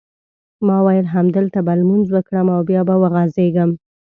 ما وېل همدلته به لمونځ وکړم او بیا به وغځېږم.